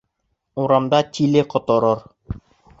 Урамда тиле ҡоторор.